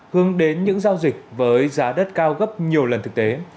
hướng đến những giao dịch với giá đất cao gấp nhiều lần thực tế